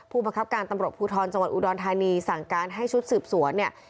ผู้บังคับการตำรวจภูทรจังหวัดอุดรธานีสั่งการให้ชุดสืบสวนเนี่ย